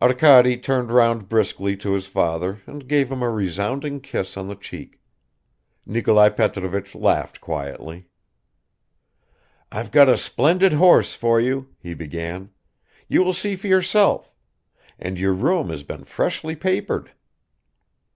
Arkady turned round briskly to his father and gave him a resounding kiss on the cheek. Nikolai Petrovich laughed quietly. "I've got a splendid horse for you," he began. "You will see for yourself. And your room has been freshly papered."